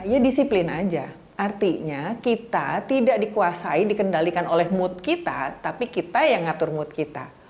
ya disiplin aja artinya kita tidak dikuasai dikendalikan oleh mood kita tapi kita yang ngatur mood kita